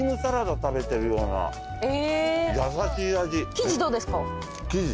生地どうですか？